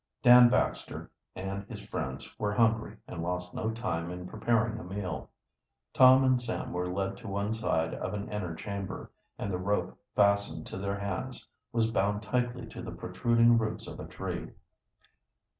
Dan Baxter and his friends were hungry, and lost no time in preparing a meal. Tom and Sam were led to one side of an inner chamber, and the rope fastened to their hands was bound tightly to the protruding roots of a tree.